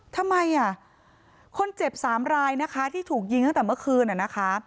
ทำไมอ่ะคนเจ็บสามรายนะคะที่ถูกยิงตั้งแต่เมื่อคืนอ่ะนะคะ